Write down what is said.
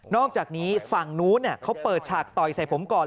อกจากนี้ฝั่งนู้นเขาเปิดฉากต่อยใส่ผมก่อน